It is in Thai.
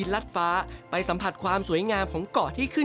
ราวกับต้องมนตร์